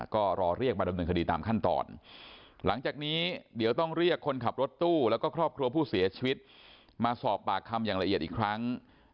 ก็รอเรียกมาดำเนินคดีตามขั้นตอนหลังจากนี้เดี๋ยวต้องเรียกคนขับรถตู้แล้วก็ครอบครัวผู้เสียชีวิตมาสอบปากคำอย่างละเอียดอีกครั้ง